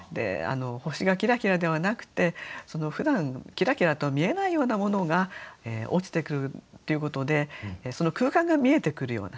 「星がきらきら」ではなくてふだんきらきらと見えないようなものが落ちてくるということでその空間が見えてくるような。